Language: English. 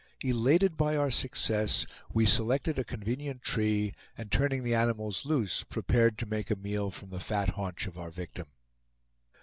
Elated by our success we selected a convenient tree, and turning the animals loose, prepared to make a meal from the fat haunch of our victim.